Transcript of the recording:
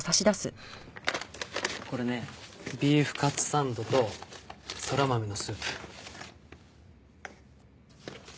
これねビーフカツサンドとそら豆のスープ。